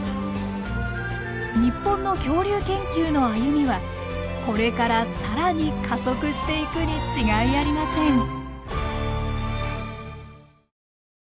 日本の恐竜研究の歩みはこれから更に加速していくに違いありません。